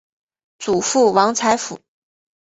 祖父王才甫。